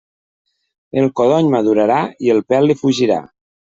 El codony madurarà i el pèl li fugirà.